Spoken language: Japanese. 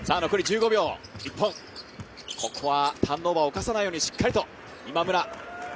ここはターンオーバーをおかさないようにしっかりと。